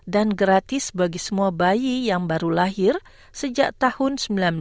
dan gratis bagi semua bayi yang baru lahir sejak tahun seribu sembilan ratus enam puluh enam